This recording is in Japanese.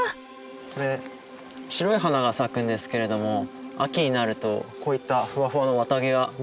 これ白い花が咲くんですけれども秋になるとこういったフワフワの綿毛ができるんですよ。